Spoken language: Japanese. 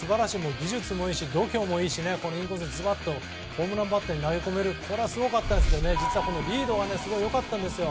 技術もいいし、度胸もいいしインコースにズバッとホームランバッターに投げ込めるのがすごかったですが実はリードは良かったんですよ。